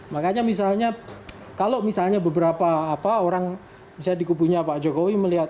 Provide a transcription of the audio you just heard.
makanya misalnya kalau misalnya beberapa orang misalnya di kubunya pak jokowi melihat